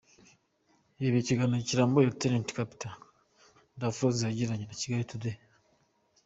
Irebere ikiganiro kirambuye Rtd Capt Daphrosa yagiranye na Kigali Today.